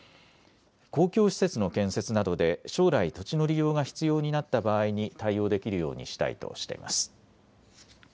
公共施設の建設などで将来、土地の利用が必要になった場合に対応できるようにしたいとしています。